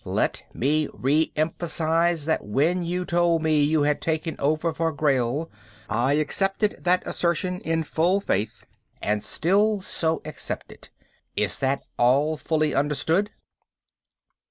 Let me re emphasize that when you told me you had taken over for Grayl I accepted that assertion in full faith and still so accept it. Is that all fully understood?"